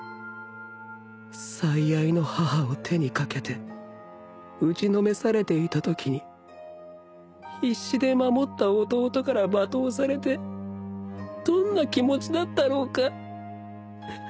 最愛の母を手にかけて打ちのめされていたときに必死で守った弟から罵倒されてどんな気持ちだったろうか